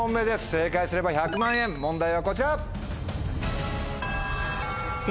正解すれば１００万円問題はこちら！